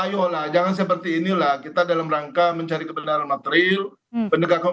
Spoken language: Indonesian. ayolah jangan seperti inilah kita dalam rangka mencari kebenaran material pendekat hukum